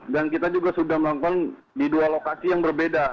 dan kita juga sudah melakukan di dua lokasi yang berbeda